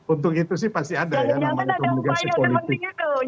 untuk itu sih pasti ada ya namanya komunikasi politik